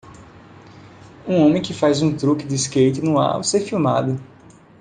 Um homem que faz um truque do skate no ar ao ser filmado.